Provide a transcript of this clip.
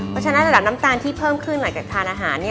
เพราะฉะนั้นระดับน้ำตาลที่เพิ่มขึ้นหลังจากทานอาหาร